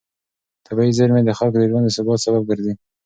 طبیعي زېرمې د خلکو د ژوند د ثبات سبب ګرځي.